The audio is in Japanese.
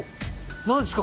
何ですか？